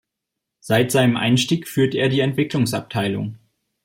Seit seinem Einstieg führte er die Entwicklungsabteilung.